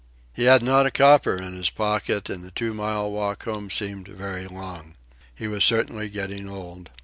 He had not a copper in his pocket, and the two mile walk home seemed very long. He was certainly getting old.